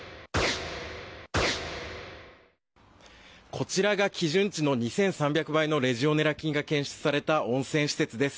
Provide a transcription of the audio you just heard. こちらが基準値の２３００倍のレジオネラ菌が検出された温泉施設です。